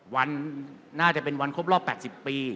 วันน่าจะเป็นวันครบรอบ๘๐ปี